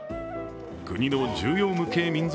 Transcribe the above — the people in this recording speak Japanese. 国の重要無形民俗